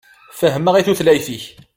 Fehhmeɣ i tutlayt-ik.